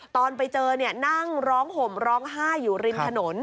ตอนไปเจอนั่งร้องห่มร้องไห้อยู่ริมถนน